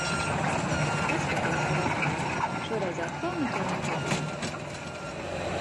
Paskaties sev apkārt, šoreiz atkal neko nepirksi?